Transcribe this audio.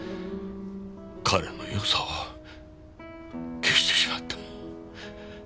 彼のよさを消してしまった。